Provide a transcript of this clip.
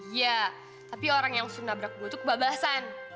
iya tapi orang yang suruh nabrak gue tuh kebabasan